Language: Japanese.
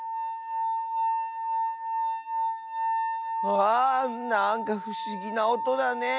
わあなんかふしぎなおとだね。